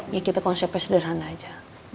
ya kita konsepnya sederhana aja